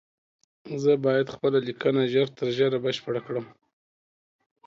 زه بايد خپله ليکنه ژر تر ژره بشپړه کړم